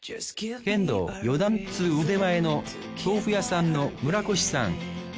剣道４段っつう腕前のとうふ屋さんの村越さん。